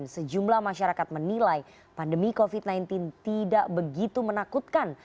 sejumlah masyarakat menilai pandemi covid sembilan belas tidak begitu menakutkan